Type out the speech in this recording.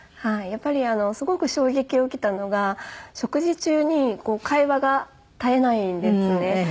やっぱりすごく衝撃を受けたのが食事中に会話が絶えないんですね。